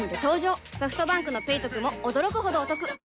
ソフトバンクの「ペイトク」も驚くほどおトク